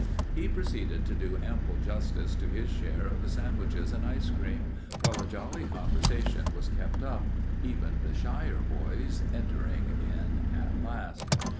He proceeded to do ample justice to his share of the sandwiches and ice cream, while a jolly conversation was kept up, even the shyer boys entering in at last.